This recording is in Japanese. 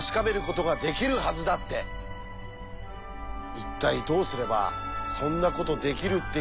一体どうすればそんなことできるっていうんでしょうか？